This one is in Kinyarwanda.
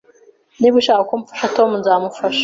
Niba ushaka ko mfasha Tom, nzamufasha